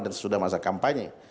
dan sesudah masa kampanye